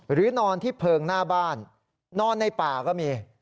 นอนที่เพลิงหน้าบ้านนอนในป่าก็มี